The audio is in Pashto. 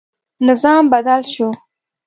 نظام بدل شو.